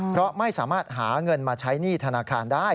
เพราะไม่สามารถหาเงินมาใช้หนี้ธนาคารได้